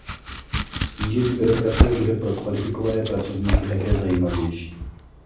Snížení byrokracie bude pro kvalifikované pracovníky také zajímavější.